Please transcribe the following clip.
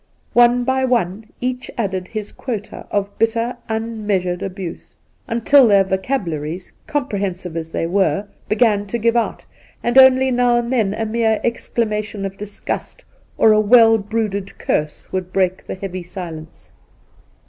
One by one each added his quota of bitter, unmeasured abuse until their vocabularies, com prehensive as they were, began to give out, and only now and then a mere exclamation .of disgust, or a well brooded curse, would break the heavy silence.